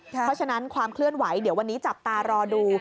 เพราะฉะนั้นความเคลื่อนไหวเดี๋ยววันนี้จับตารอดู